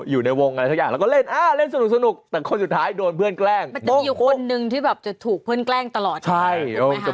อยู่ในวงอะไรเข้าอยากเขาเล่นเล่นสนุกสนุกแต่คนสุดท้ายโดนเพื่อนแกล้งอยู่คนรึงที่แบบจะถูกเพื่อนแกล้งตลอดค่ายโดยก็